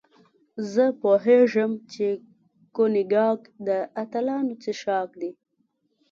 زه پوهېږم چې کونیګاک د اتلانو څښاک دی.